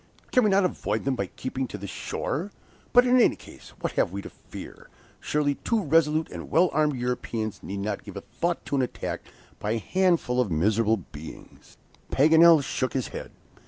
"Can we not avoid them by keeping to the shore? But in any case what have we to fear? Surely, two resolute and well armed Europeans need not give a thought to an attack by a handful of miserable beings." Paganel shook his head.